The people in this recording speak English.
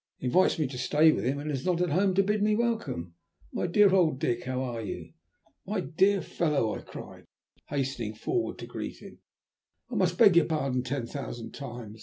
"He invites me to stay with him, and is not at home to bid me welcome. My dear old Dick, how are you?" "My dear fellow," I cried, hastening forward to greet him, "I must beg your pardon ten thousand times.